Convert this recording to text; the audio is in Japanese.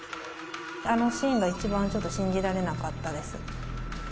あのシーンが一番、ちょっと信じられなかったです。